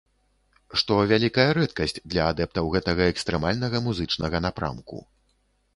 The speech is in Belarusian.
Што вялікая рэдкасць для адэптаў гэтага экстрэмальнага музычнага напрамку.